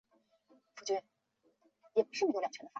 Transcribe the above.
乾隆十三年戊辰科进士。